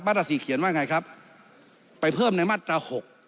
ตรา๔เขียนว่าไงครับไปเพิ่มในมาตรา๖